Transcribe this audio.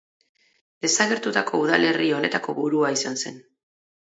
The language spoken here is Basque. Desagertutako udalerri honetako burua izan zen.